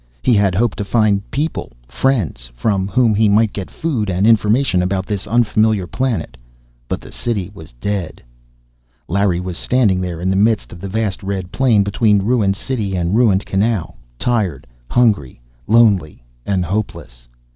He had hoped to find people friends, from whom he might get food, and information about this unfamiliar planet. But the city was dead. Larry was standing there, in the midst of the vast red plain between ruined city and ruined canal. Tired, hungry, lonely and hopeless.